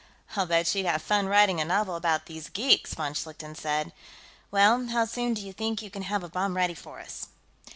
"I'll bet she'd have fun writing a novel about these geeks," von Schlichten said. "Well, how soon do you think you can have a bomb ready for us?"